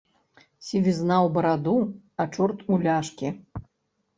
Сівізна ў бараду, а чорт у ляшкі!